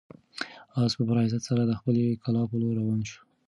آس په پوره عزت سره د خپلې کلا په لور روان شو.